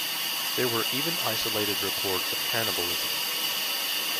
There were even isolated reports of cannibalism.